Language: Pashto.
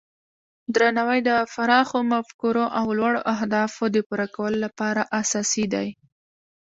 درناوی د پراخو مفکورو او لوړو اهدافو د پوره کولو لپاره اساسي دی.